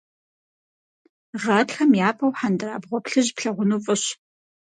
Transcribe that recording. Гъатхэм япэу хьэндырабгъуэ плъыжь плъагъуну фӏыщ.